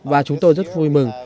và chúng tôi rất vui mừng